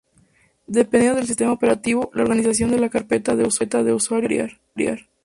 Dependiendo del sistema operativo, la organización de la carpeta de usuario puede variar.